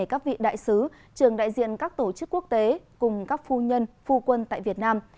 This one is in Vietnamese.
các vị đại sứ trường đại diện các tổ chức quốc tế cùng các phu nhân phu quân tại việt nam